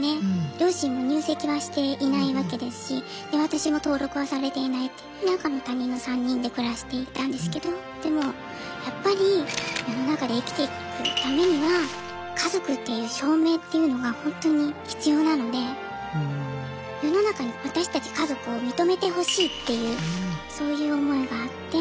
両親も入籍はしていないわけですしで私も登録はされていないって赤の他人の３人で暮らしていたんですけどでもやっぱり世の中で生きていくためには家族っていう証明っていうのがほんとに必要なので世の中に私たち家族を認めてほしいっていうそういう思いがあって。